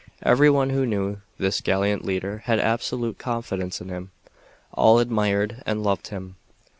Every one who knew this gallant leader had absolute confidence in him. All admired and loved him.